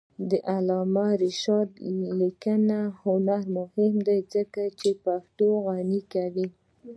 د علامه رشاد لیکنی هنر مهم دی ځکه چې پښتو غني کوي.